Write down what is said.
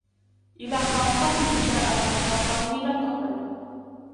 إلى خاصته جاء وخاصته لم تقبله.